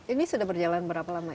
ini sudah berjalan berapa lama